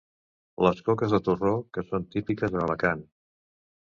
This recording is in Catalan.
Les coques de torró, que són típiques a Alacant.